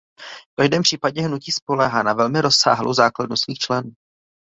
V každém případě hnutí spoléhá na velmi rozsáhlou základnu svých členů.